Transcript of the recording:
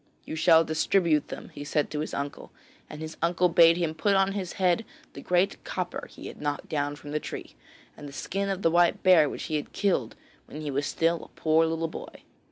'You shall distribute them,' he said to his uncle, and his uncle bade him put on his head the great copper he had knocked down from the tree, and the skin of the white bear which he had killed when he was still a poor little boy.